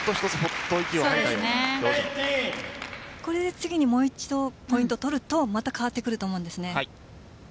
次にもう一度ポイントを取るとまた変わってくると思うんです。